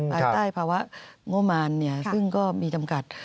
ภายใต้ภาวะงบมารซึ่งก็มีจำกัด